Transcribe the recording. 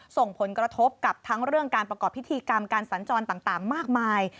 ส่งผลกระทบกับทั้งเรื่องการประกอบพิธีกรรมการสัญจรต่างมากมาย